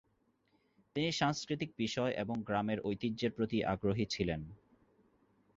তিনি সাংস্কৃতিক বিষয় এবং গ্রামের ঐতিহ্যের প্রতি আগ্রহী ছিলেন।